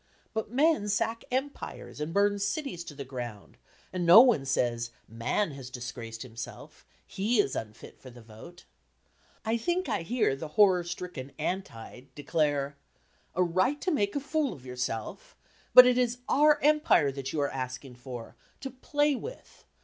But men sack empires and burn cities to the ground and no one says "Man" has disgraced himself, "He" is unfit for the vote. I think I hear the horror stricken Anti declare, "A right to make a fool of yourself? But it is our Empire that you are asking for,—to play with!